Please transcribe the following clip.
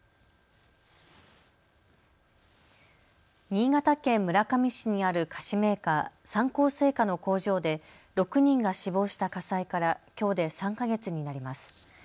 新潟県村上市にある菓子メーカー、三幸製菓の工場で６人が死亡した火災からきょうで３か月になります。